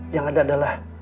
yang ada adalah